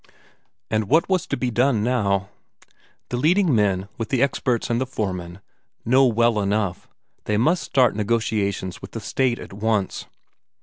And what was to be done now? The leading men, with the experts and the foremen, know well enough; they must start negotiations with the State at once.